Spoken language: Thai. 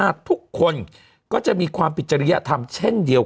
มันติดคุกออกไปออกมาได้สองเดือน